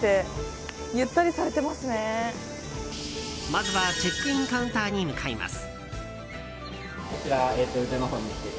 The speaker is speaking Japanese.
まずはチェックインカウンターに向かいます。